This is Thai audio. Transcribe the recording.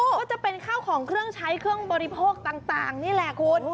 ก็จะเป็นข้าวของเครื่องใช้เครื่องบริโภคต่างนี่แหละคุณ